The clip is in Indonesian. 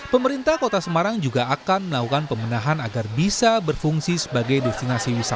pemerintah kota semarang juga akan melakukan pemenahan agar bisa berfungsi sebagai destinasi wisata